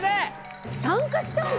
参加しちゃうの？